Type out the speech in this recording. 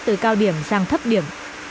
từ cao điểm sang thấp điểm